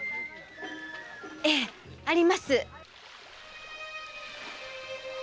ええあります！